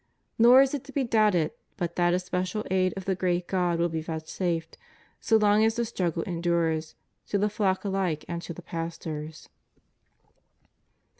Nor is it to be doubted but that especial aid of the great God will be vouchsafed, so long as the struggle endures, to the flock ahke and to the pastors.